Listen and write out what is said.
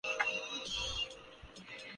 چلے بھی آؤ کہ گلشن کا کاروبار چلے